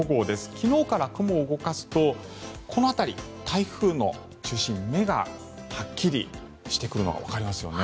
昨日から雲を動かすとこの辺り、台風の中心目がはっきりしてくるのがわかりますよね。